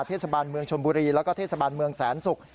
เทศบาลเมืองชนบุรีและเทศบาลเมืองศาลสุก